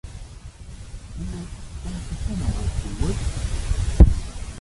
Hoe let komt de sinne op hjoed?